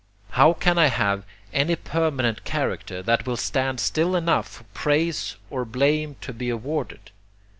How can I have any permanent CHARACTER that will stand still long enough for praise or blame to be awarded?